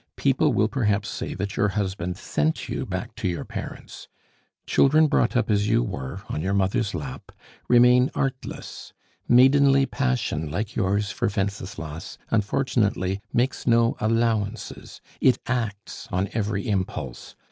People will perhaps say that your husband sent you back to your parents. Children brought up as you were, on your mother's lap, remain artless; maidenly passion like yours for Wenceslas, unfortunately, makes no allowances; it acts on every impulse.